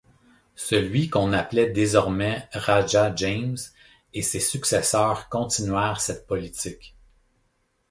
Celui qu'on appelait désormais Raja James et ses successeurs continuèrent cette politique.